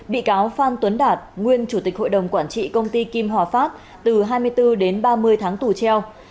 bị cáo phan tuấn đạt nguyên chủ tịch hội đồng quản trị công ty kim hòa phát từ hai mươi bốn đến ba mươi tháng tù treo